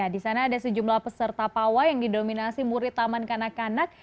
di sana ada sejumlah peserta pawai yang didominasi murid taman kanak kanak